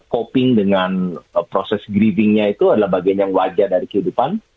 coping dengan proses griefingnya itu adalah bagian yang wajar dari kehidupan